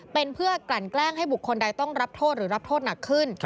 เป็นเพื่อกลั่นแกล้งให้บุคคลใดต้องรับโทษหรือรับโทษหนักขึ้น